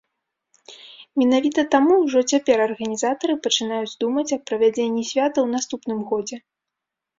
Менавіта таму ўжо цяпер арганізатары пачынаюць думаць аб правядзенні свята ў наступным годзе.